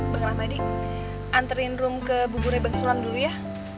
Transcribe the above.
bang rahmadi anterin rum ke bubur rebang sulan dulu ya